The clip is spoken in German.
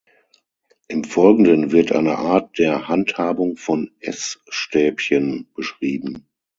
Im Folgenden wird eine Art der Handhabung von Essstäbchen beschrieben.